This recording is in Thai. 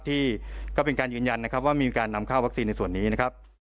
ที่ก็เป็นการยืนยันนะครับว่ามีการนำเข้าวัคซีนในส่วนนี้นะครับ